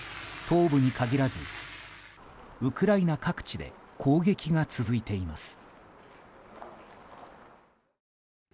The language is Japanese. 東部に限らず、ウクライナ各地で攻撃が続いています。